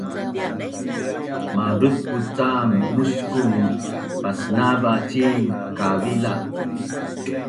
Malucbut cam muskun pasnava cin kavila